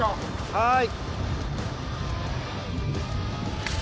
はい。